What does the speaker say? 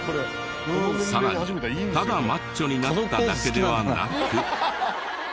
さらにただマッチョになっただけではなく。